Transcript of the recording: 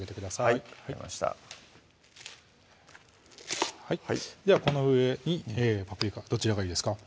はい分かりましたではこの上にパプリカどちらがいいですか？